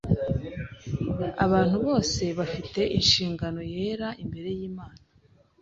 Abantu bose bafite inshingano yera imbere y’Imana